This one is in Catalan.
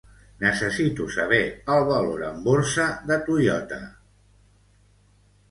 Necessito saber el valor en borsa de Toyota.